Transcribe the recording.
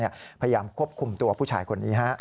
พยายามควบคุมตัวผู้ชายคนนี้